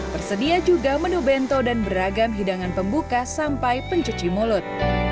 tersedia juga menu bento dan beragam hidangan pembuka sampai pencuci mulut